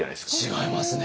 違いますね！